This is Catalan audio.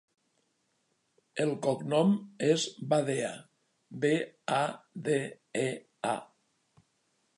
El cognom és Badea: be, a, de, e, a.